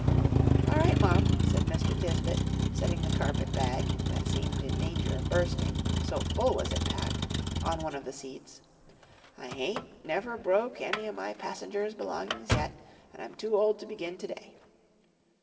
"All right, Marm," said Mr. Tisbett, setting the carpet bag, that seemed in danger of bursting, so full was it packed, on one of the seats. "I hain't never broke any o' my passengers' belongings yet, and I'm too old to begin to day."